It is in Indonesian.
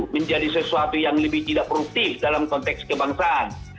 menjadi sesuatu yang lebih tidak produktif dalam konteks kebangsaan